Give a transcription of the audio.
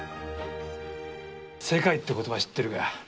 世界って言葉、知ってるか？